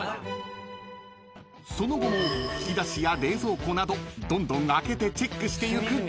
［その後も引き出しや冷蔵庫などどんどん開けてチェックしてゆく岸Ｄ］